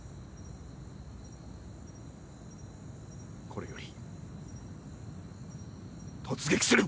これより突撃する！